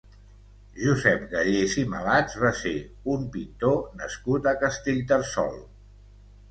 Josep Gallés i Malats va ser un pintor nascut a Castellterçol.